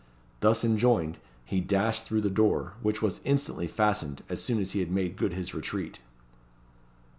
Thus enjoined, he dashed through the door, which was instantly fastened, as soon as he had made good his retreat.